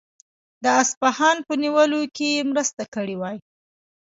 د اصفهان په نیولو کې یې مرسته کړې وای.